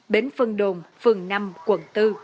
bến phân đồn phường năm quận bốn